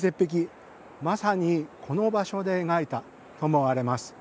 まさにこの場所で描いたと思われます。